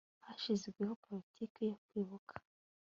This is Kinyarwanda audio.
hashyizweho politiki yo kwibuka